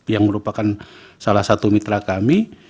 yang merupakan salah satu mitra kami